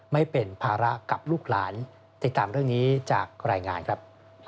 ไม่เป็นภาระกับลูกหลานติดตามเรื่องนี้จากรายงานครับ